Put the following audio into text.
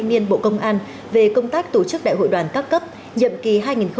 là công tác tổ chức đại hội đoàn các cấp nhậm kỳ hai nghìn hai mươi hai hai nghìn hai mươi bảy